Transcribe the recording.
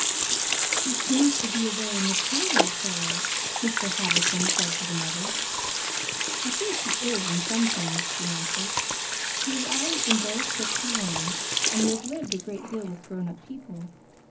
"He seems to be a very mature little fellow," Mr. Havisham said to the mother. "I think he is, in some things," she answered. "He has always been very quick to learn, and he has lived a great deal with grownup people.